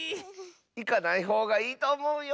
いかないほうがいいとおもうよ。